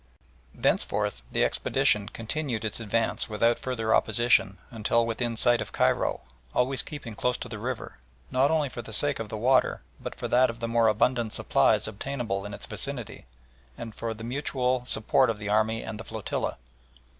Thenceforth the expedition continued its advance without further opposition until within sight of Cairo, always keeping close to the river, not only for the sake of the water, but for that of the more abundant supplies obtainable in its vicinity, and for the mutual support of the army and the flotilla.